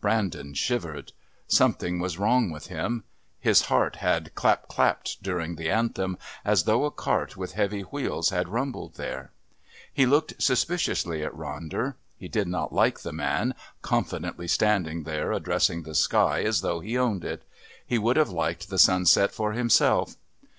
Brandon shivered. Something was wrong with him. His heart had clap clapped during the Anthem as though a cart with heavy wheels had rumbled there. He looked suspiciously at Ronder. He did not like the man, confidently standing there addressing the sky as though he owned it. He would have liked the sunset for himself.